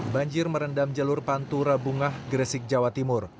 banjir merendam jalur pantura bungah gresik jawa timur